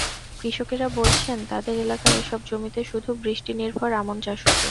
কৃষকেরা বলছেন, তাদের এলাকার এসব জমিতে শুধু বৃষ্টিনির্ভর আমন চাষ হতো।